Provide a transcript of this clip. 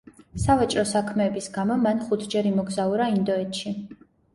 სავაჭრო საქმეების გამო, მან ხუთჯერ იმოგზაურა ინდოეთში.